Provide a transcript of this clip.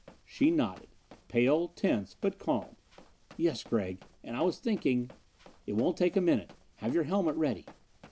She nodded. Pale, tense, but calm. "Yes, Gregg. And I was thinking " "It won't take a minute. Have your helmet ready."